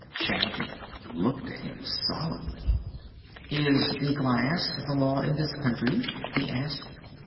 Shaggy stared at him solemnly. "Is the glass the Law in this country?" he asked.